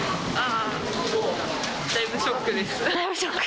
だいぶショック？